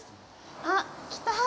あっ、来た。